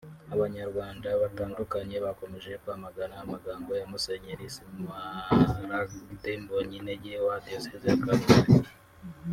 Abanyarwanda batandukante bakomeje kwamagana amagambo ya Musenyeri Smaragde Mbonyintege wa Diyoseze ya Kabgayi